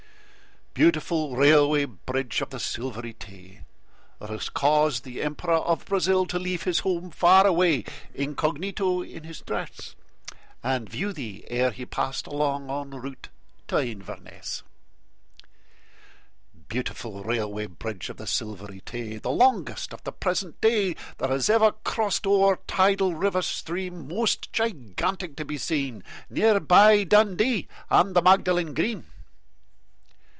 Beautiful Railway Bridge of the Silvery Tay! That has caused the Emperor of Brazil to leave His home far away, incognito in his dress, And view thee ere he passed along en route to Inverness. Beautiful Railway Bridge of the Silvery Tay! The longest of the present day That has ever crossed o'er a tidal river stream, Most gigantic to be seen, Near by Dundee and the Magdalen Green.